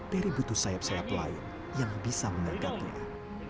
peri butuh sayap sayap lain yang bisa menganggapnya